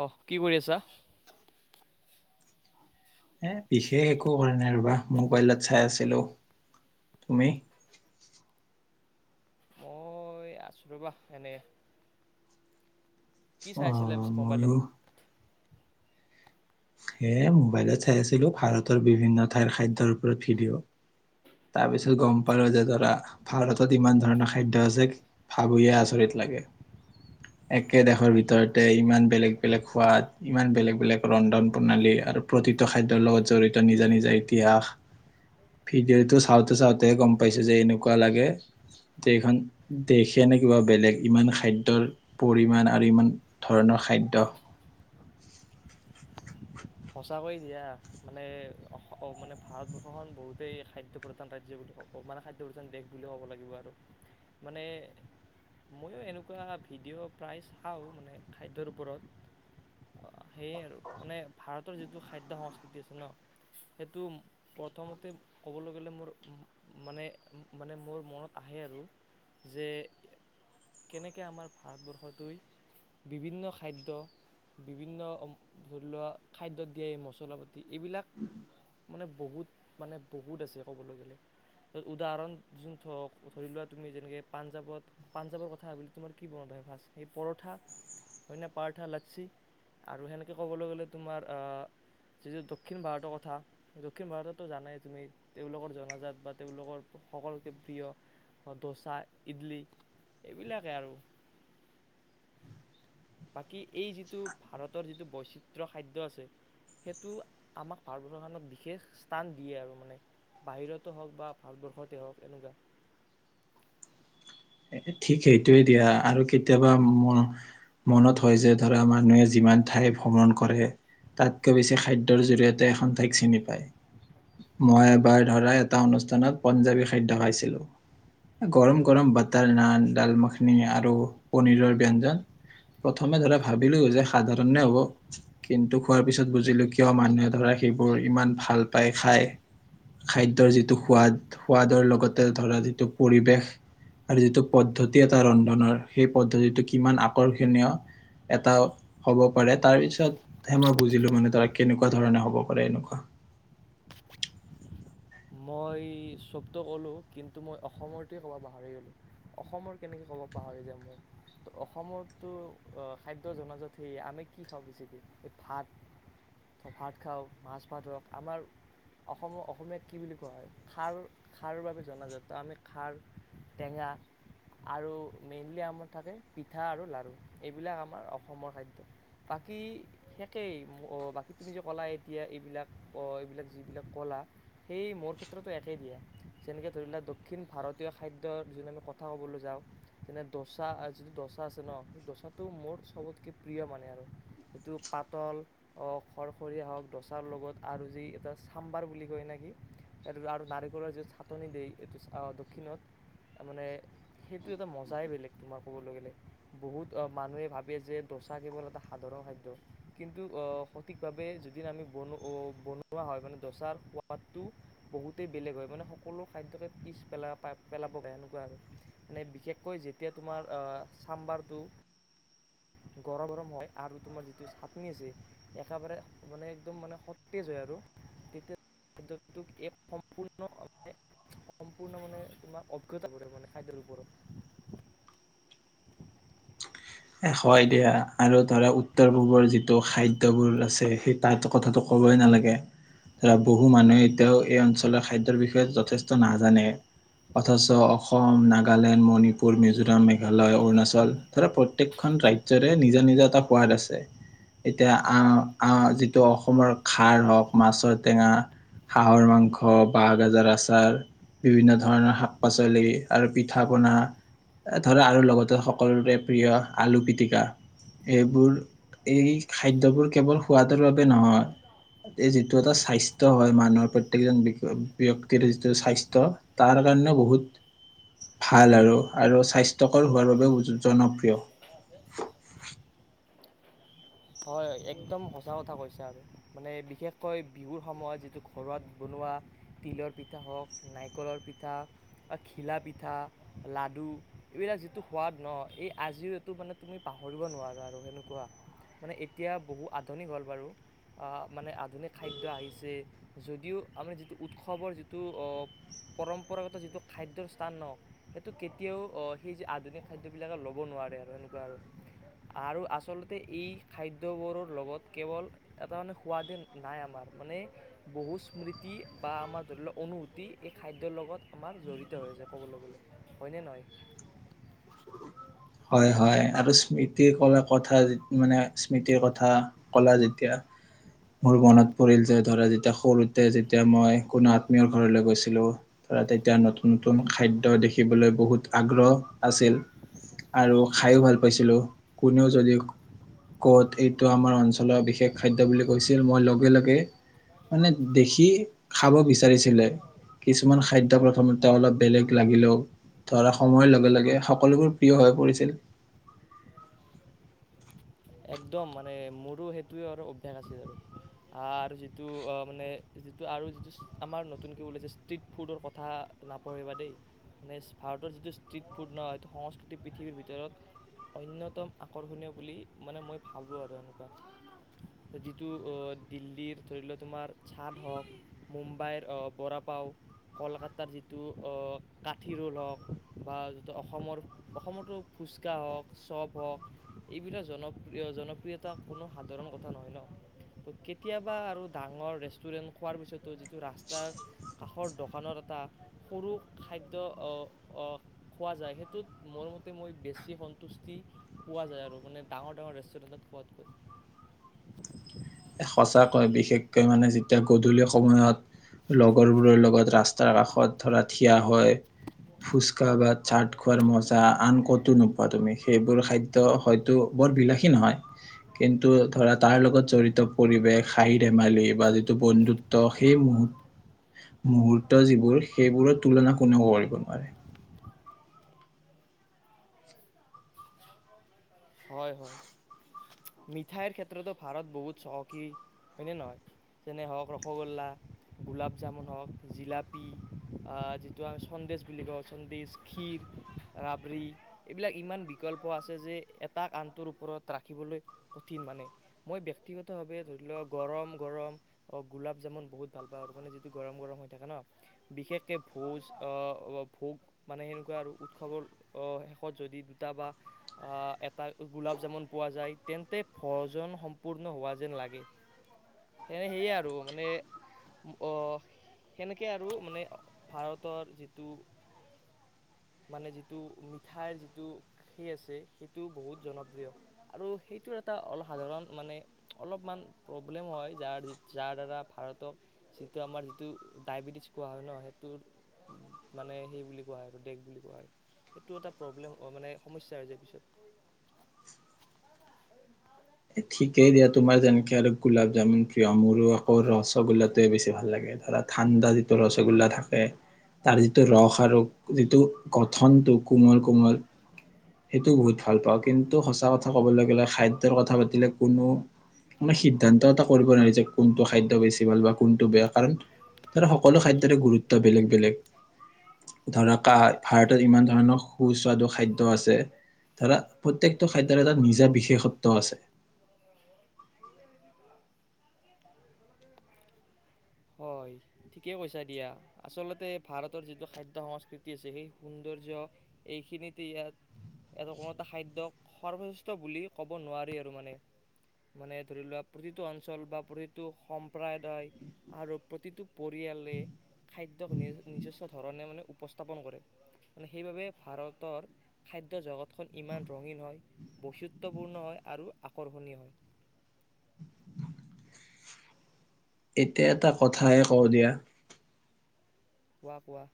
অহ, কি কৰি আছা? এ, বিশেষ একো কৰা নাই ৰ'বা, মোবাইলত চাই আছিলোঁ, তুমি? মই আছোঁ ৰ'বা এনে, কি অ চাই আছিলা পিছে মোবাইলত? ময়ো এ, মোবাইলত চাই আছিলোঁ ভাৰতৰ বিভিন্ন ঠাইৰ খাদ্যৰ ওপৰত ভিডিঅ'। তাৰপিছত গম পালোঁ যে, ধৰা ভাৰতত ইমান ধৰণৰ খাদ্য আছে। ভাবয়ে আচৰিত লাগে। [unintelligible] একে দেশৰ ভিতৰতে ইমান বেলেগ, বেলেগ সোৱাদ ইমান বেলেগ, বেলেগ ৰন্ধন প্ৰণালী আৰু প্ৰতিটো খাদ্যৰ লগত জড়িত নিজা, নিজা ইতিহাস, ভিডিঅ' টো, চাওঁতে চাওঁতেহে গম পাইছোঁ যে এনেকুৱা লাগে যে এইখন দেশে নে কিবা বেলেগ ইমান খাদ্যৰ পৰিমাণ আৰু ইমান ধৰণৰ খাদ্য। সঁচাকৈয়ে দিয়া মানে, মানে অ ভাৰতবৰ্ষ খন বহুতেই খাদ্য প্ৰধান ৰাজ্য বুলি ক ক'ব মানে খাদ্য প্ৰধান দেশ বুলিয়ে ক'ব লাগিব আৰু মানে মইয়ো এনেকুৱা ভিডিঅ' প্ৰায় চাওঁ, মানে খাদ্যৰ ওপৰত আ সেয়ে আৰু মানে ভাৰতৰ যিটো খাদ্য সংস্কৃতি আছে ন' সেইটো প্ৰথমতে ক'বলৈ গ'লে মোৰ মানে, মানে মোৰ মনত আহে আৰু যে কেনেকে আমাৰ ভাৰতবৰ্ষ টোই বিভিন্ন খাদ্য, বিভিন্ন ধৰি লোৱা খাদ্যত দিয়া‌ এই মছলা - পাতি এইবিলাক মানে বহুত মানে বহুত আছে ক'বলৈ গ'লে। উদাহৰণ যোন ধৰক, ধৰি লোৱা তুমি যেনেকে পাঞ্জাৱত পাঞ্জাৱৰ কথা ভাবিলে তোমাৰ কি মনত আহে ফাৰ্ষ্ট সেই পৰঠা হয়নে পাৰ্থা, লাছি আৰু সেনেকে ক'বলৈ গ'লে তোমাৰ যে যে দক্ষিণ ভাৰতৰ কথা দক্ষিণ ভাৰতত' জানাই তুমি, তেওঁলোকৰ জনাজাত বা তেওঁলোকৰ সকলোতকে প্ৰিয় ডোচা, ইডলি এইবিলাকেই আৰু বাকী এই যিটো, ভাৰতৰ যিটো বৈচিত্ৰ খাদ্য আছে। সেটো আমাক ভাৰতবৰ্ষ খনত বিশেষ স্থান দিয়ে আৰু মানে বাহিৰতো হওঁক বা ভাৰতবৰ্ষতে হওঁক এনোকোৱা ঠিক সেইটোয়ে দিয়া, আৰু কেতিয়াবা মোৰ মনত হয় যে, ধৰা যিমান ঠাই ভ্ৰমণ কৰে তাতকৈ বেছি খাদ্যৰ জৰিয়তে এখন ঠাইক চিনি পায়। মই এবাৰ ধৰা এটা অনুষ্ঠানত পঞ্জাৱী খাদ্য খাইছিলোঁ গৰম গৰম বাটাৰ নান, ডাল মাআখিনি আৰু পনীৰৰ ব্যঞ্জন প্ৰথমে ধৰা ভাবিলো যে সাধাৰণে হ'ব কিন্তু খোৱাৰ পিছত বুজিলো কিয় মানুহে ধৰা সেইবোৰ ইমান ভাল পায় খায়। খাদ্যৰ যিটো সোৱাদ, সোৱাদৰ লগতে ধৰা যিটো পৰিৱেশ আৰু যিটো পদ্ধতি এটা ৰন্ধনৰ সেই পদ্ধতিটো কিমান আকৰ্ষণীয় এটাও হ'ব পাৰে তাৰ পিছত সে মই বুজিলো মানে ধৰা কেনেকোৱা ধৰণে হ'ব পাৰে এনেকুৱা। মই চ'বত' ক'লোঁ কিন্তু মই অসমৰ টোৱে ক'বা পাহাৰি গ'লো। অসমৰ কেনেকে ক'ব পাহৰি যাম মই? ত অসমৰতো খাদ্য জনাজাত সেই আমি কি খাওঁ বেচিকে, এই ভাত। ভাত খাওঁ, মাছ ভাত ধৰক আমাৰ অসম অসমীয়াত কি বুলি কোৱা হয়? খাৰ খাৰৰ বাবে জনাজাত, ত' আমি খাৰ, টেঙা আৰু মেইনলি আমাৰ থাকে, পিঠা আৰু লাড়ু এইবিলাক আমাৰ অসমৰ খাদ্য। বাকী সেকেই বাকী তুমি যে ক'লা এতিয়া এইবিলাক এইবিলাক যিবিলাক ক'লা সেই মোৰ ক্ষেত্ৰতো একেই দিয়া, যেনেকে ধৰি লোৱা দক্ষিণ ভাৰতীয় খাদ্যৰ যদি আমি কথা ক'বলৈ যাওঁ তেনে দচা আচ দচা আছে ন' সেই দচাটো মোৰ চবতকে প্ৰিয় মানে আৰু সেইটো পাতল হওঁক খৰখৰীয়া হওঁক দচাৰ লগত আৰু যি এটা চাম্বাৰ বুলি কয়নে ই আৰু নাৰিকলৰ যিটো চাটনি দিয়ে এইটো অঁ দক্ষিণত, মানে সেইটো এটা মজাই বেলেগ তোমাৰ ক'বলৈ গ'লে, বহুত অ' মানুহে ভাবে যে ডোচা কেৱল এটা সাধাৰণ খাদ্য, কিন্তু অ'হ সঠিক ভাবে যিদিন আমি বন অ' বন বনোৱা হয় মানে দ'চাৰ সোৱাদটো বহুতেই বেলেগ হয় মানে সকলো খাদ্যকে পিছ পেলা-পেলাবগৈ এনেকুৱা আৰু। মানে বিশেষকৈ যেতিয়া তোমাৰ অ চাম্বাৰটো গৰম হয় আৰু তোমাৰ যিটো চাটনি আছে একেবাৰে মানে একদম মানে সতেজ হয় আৰু তেতিয়া [unintelligible] সম্পূৰ্ণ মানে তোমাৰ অজ্ঞতা পৰে মানে খাদ্যৰ ওপৰত। এ হয় দিয়া আৰু ধৰা উত্তৰ পূৱৰ যিটো খাদ্যবোৰ আছে সেই তাৰটো কথাটো ক'বই নালাগে ধৰা বহু মানুহে এতিয়াও এই অঞ্চলৰ খাদ্যৰ বিষয়ে যথেষ্ট নাজানে। অথচ অসম, নাগালেণ্ড, মণিপুৰ, মিজোৰাম, মেঘালয়, অৰুণাচল ধৰা প্ৰ প্ৰত্যেকখন ৰাজ্যৰে নিজা নিজা এটা সোৱাদ আছে। এতিয়া আহ আহ যিটো অসমৰ খাৰ হওঁক, মাছৰ টেঙা হাঁহৰ মাংস, বাঁহগাজৰ আচাৰ, বিভিন্ন ধৰণৰ শাক-পাচলি আৰু পিঠা-পনা ধৰা আৰু লগতে সকলোৰে প্ৰিয় আলু পিটিকা, এইবোৰ এই খাদ্যবোৰ কেৱল সোৱাদৰ বাবে নহয় এই যিটো এটা স্বাস্থ্য হয় মানুহৰ প্ৰত্যেক জন ব্যক্তিৰ যিটো স্বাস্থ্য তাৰ কাৰণেও বহুত ভাল আৰু। আৰু স্বাস্থ্যকৰ হোৱাৰ বাবেও জনপ্ৰিয়। [inaudible] হয় একদম সঁচা কথা কৈছা আৰু মানে বিশেষকৈ বিহুৰ সময়ত যিটো ঘৰত বনোৱা তিলৰ পিঠা হওঁক, নাৰিকলৰ পিঠা বা ঘিলা পিঠা লাডু এইবিলাক যিটো সোৱাদ ন, এই আজিও এইটো মানে তুমি পাহৰিব নোৱাৰা আৰু সেনেকুৱা। মানে এতিয়া বহু আধুনিক হ'ল বাৰু, আ মানে আধুনিক খাদ্য আহিছে যদিও আমি যিটো উৎসৱৰ যিটো অ পৰম্পৰাগত যিটো খাদ্যৰ স্থান ন সেইটো কেতিয়াও অ সেই আধুনিক খাদ্যবিলাকে ল'ব নোৱাৰে আৰু সেনেকুৱা আৰু। আৰু আচলতে এই খাদ্যবোৰৰ লগত কেৱল এটা মানে সোৱাদে নাই আমাৰ মানে বহু স্মৃতি বা আমাৰ ধৰি লওঁ অনুভূ তি এই খাদ্যৰ লগত আমাৰ জড়িত হৈ আছে ক'বলৈ গ'লে, হয়নে নহয়? হয় হয় আৰু স্মৃতি কলে কথা মানে স্মৃতিৰ কথা কলা যেতিয়া মোৰ মনত পৰিল যে ধৰা যেতিয়া সৰু তে যেতিয়া মই কোনো আত্মীয়ৰ ঘৰলৈ গৈছিলো ধৰা তেতিয়া নতু নতুন খাদ্য দেখিবলৈ বহুত আগ্ৰহ আছিল, আৰু খায়ো ভাল পাইছিলোঁ। কোনেও যদি ক'ত এইটো আমাৰ অঞ্চলৰ বিশেষ খাদ্য বুলি কৈছিল মই লগে লগে মানে দেখি খাব বিচাৰিছিলে কিছুমান খাদ্য প্ৰথমতে অলপ বেলেগ লাগিলেও ধৰা সময়ৰ লগে লগে সকলোবোৰ প্ৰিয় হৈ পৰিছিল। একদম মানে মোৰো সেইটোৱে আৰু অভ্যাস আছিল আৰু। আৰু যিটো মানে যিটো আৰু যিটো আমাৰ নতুনকৈ ওলাইছে ষ্ট্ৰিট ফুডৰ কথা নাপাহৰিবা দেই। মানে ভাৰতৰ যিটো ষ্ট্ৰ্ৰীট ফুড নহয় সেইটো সংস্কৃতি পৃথিৱীৰ ভিতৰত অন্যতম আকৰ্ষণীয় বুলি মানে মই ভাবোঁ আৰু এনেকুৱা। যিটো দিল্লীৰ ধৰি লওঁ তোমাৰ চাট হওঁক, মুম্বাইৰ বৰা পাও কলকাতাৰ যিটো অ কাঠি ৰোল হওঁক বা যিটো অসমৰ অসমতো ফুচকা হওক চপ হওক এইবিলাক জনপ্ৰিয় জনপ্ৰিয়তা কোনো সাধাৰণ কথা নহয় ন? ত'কেতিয়াবা আৰু ডাঙৰ ৰেষ্টুৰেন্ট খোৱাৰ পিছতো যিটো ৰাস্তাৰ কাষৰ দোকানৰ এটা সৰু খাদ্য অ' অ! খোৱা যায় সেইটোত মোৰ মতে মই বেছি সন্তুষ্টি পোৱা যায় আৰু মানে ডাঙৰ ডাঙৰ ৰেষ্টুৰেণ্টত খোৱাতকৈ সঁচাকৈ বিশেষকে মানে যেতিয়া গধূলি সময়ত লগৰবোৰৰ লগত ৰাস্ তাৰ কাষত ধৰা ঠিয়া হৈয় ফুচকা বা চাট খোৱাৰ মজা আন কতো নোপোৱা তুমি সেইবোৰ খাদ্ ত' হয়তো বৰ বিলাসী নহয় কিন্তু ধৰা তাৰ লগত জড়িত পৰিৱেশ হাঁহি ধেমালি বা যিটো বন্ধুত্ব সেই মুহু মুহূুৰ্ত যিবোৰ সেইবোৰৰ তুলনা কোনেও কৰিব নোৱাৰে! হয়! হয়! মিঠাইৰ ক্ষেত্ৰতো ভাৰত বহুত চহকী হয়নে নহয়? যেনে হওক ৰসগোল্লা গোলাপ জামুন হওক, জিলাপী আ যিটো আমি চন্দেছ বুলি কওঁ চন্দেছ ক্ষীৰ ৰাবৰি এইবিলাক ইমান বিকল্প আছে যে এট তাক আনটোৰ ওপৰত ৰাখিবলৈ কঠিন মানে মই ব্যক্তিগত ভাৱে ধৰি লওক গৰম গৰম অ গোলাপ জামুন বহুত ভাল পাওঁ মানে যিটো গৰম গৰম হৈ থাকে ন বিশেষকে ভোজ আ উৱ ভোগ মানে সেনেকুৱা আৰু উৎসৱৰ অ শেষত যদি দুটা বা এট টা গোলাপ জামুন পোৱা যায় তেন্তে ভজন সম্পূৰ্ণ হোৱা যেন লাগে সে সেয়ে আৰু মানে অহ সেনেকে আৰু মানে ভাৰতৰ যিটো মানে যিটো মিঠাইৰ যিটো সেই আছে সেইটো বহুত জনপ্ৰিয় আৰু সেইটো এটা অসাধাৰণ মানে অলপমান প্ৰব্লেম হয় যাৰ যাৰ দ্বাৰা ভাৰতক যিটো আমাৰ যিটো ডায়বেটিছ কোৱা হয় ন সেইটো মানে সেই বুলি কোৱা হয় ডেগ বুলি কোৱা হয় সেইটো এটা প্ৰব্লেম অ মানে সমস্যা হৈ যায় পিছত এ ঠিকেই দিয়া তোমাৰ যেনকে আৰু গোলাপ জামুন প্ৰিয় মোৰো আকৌ ৰসগোল্লাটোৱে বেছি ভাল লাগে ধৰা ঠাণ্ডা যিটো ৰসগোল্লা থাকে তাৰ যিটো ৰস আৰু যিটো কথনটো কোমল কোমল [unintelligible] সেইটো বহুত ভাল পাওঁ কিন্তু সঁচা কথা ক'বলে গ'লে খাদ্যৰ কথা পাতিলে কোনো মানে সিদ্ধান্ত এটা কৰিব নোৱাৰি যে কোনটো খাদ্য বেছি ভাল বা কোনটো বেয়া কাৰণ তাৰ সকলো খাদ্যৰে গুৰুত্ব বেলেগ বেলেগ ধৰা কা ভাৰতত ইমান ধৰণৰ সুস্বাদু খাদ্য আছে ধৰা প্ৰত্যেকটো খাদ্যৰ এটা নিজা বিশেষত্ব আছে [unintelligible] হয় ঠিকেই কৈছা দিয়া আচলতে ভাৰতৰ যিটো খাদ্য সংস্কৃতি আছে সেই সৌন্দৰ্য এইখিনিতে ইয়াৰ ইয়াৰ কোনো এটা খাদ্যক সৰ্বশ্ৰেষ্ঠ বুলি ক'ব নোৱাৰি আৰু মানে মানে ধৰি লোৱা প্ৰতিটো অঞ্চল বা প্ৰতিটো সম্প্ৰাদায় আৰু প্ৰতিটো পৰিয়ালে খাদ্যক নি নিজস্ব ধৰণে মানে উপস্থাপন কৰে। মানে সেইবাবে ভাৰতৰ খাদ্য জগতখন ইমান ৰঙীন হয়। বৈচিত্ৰ্যপূৰ্ণ হয়, আৰু আকৰ্ষণীয় হয়। এতিয়া এটা কথাইে কওঁ দিয়া। কোৱা কোৱা।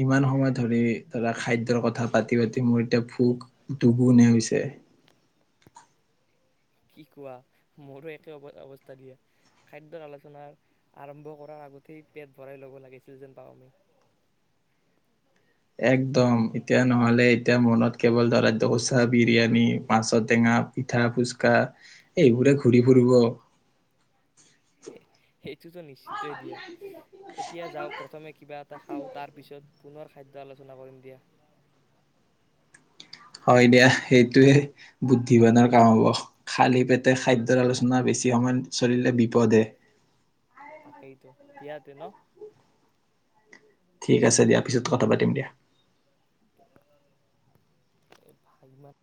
ইমান সময় ধৰি ধৰা খাদ্যৰ কথা পাতি পাতি মোৰ ভোক দুগুণে হৈছে। কি কোৱা মোৰো একে অ অৱস্থা দিয়া। খাদ্যৰ আলোচনাৰ আৰম্ভ কৰাৰ আগতেই পেট ভৰাই ল'ব লাগিছিল যেন পাওঁ আমি। একদম এতিয়া নহ'লে এতিয়া মনত কেৱল ধৰা ডোচা, বিৰিয়ানী, মাছৰ টেঙা পিঠা, ফুচকা এইবোৰে ঘূৰি ফুৰিব। সেইটোতো নিশ্চিতয়ে দিয়া। এতিয়া যাওঁ, প্ৰথমে কিবা এটা খাওঁ তাৰ পিছত পুনৰ খাদ্য আলোচনা কৰিম দিয়া। হয় দিয়া সেইটোৱে বুদ্ধি কাৰণে কাম হব, খালী পেট তে খাদ্যৰ আলোচনা বেছি সময়ত চলিলে বিপদহে। তাকেইতো দিয়াতে ন। ঠিক আছে দিয়া পিছত কথা পাতিম দিয়া। [inaudible]